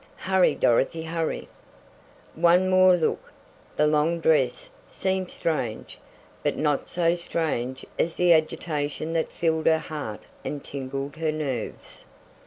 Hurry, Dorothy! Hurry! One more look! The long dress seemed strange, but not so strange as the agitation that filled her heart and tingled her nerves.